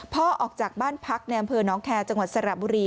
พ่อออกจากบ้านพักในบริษัทห์น้องแคร์จังหวัดสระบุรี